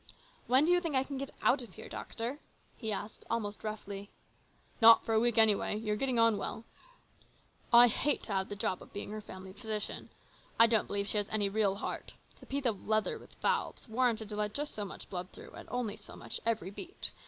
"When do you think I can get out of here, doctor ?" he asked almost roughly. " Not for a week, anyway. You're getting on well. Don't mind her. I'd hate to have the job of being her family physician. I don't believe she has any real heart. It's a piece of leather with valves, warranted to let just so much blood through, and only so much, every beat.